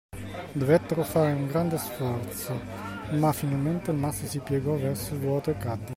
Dovettero fare un grande sforzo, ma finalmente il masso si piegò verso il vuoto e cadde.